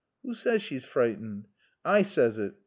"'Oo says she's freetened?" "I saays it.